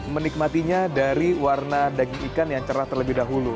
menikmatinya dari warna daging ikan yang cerah terlebih dahulu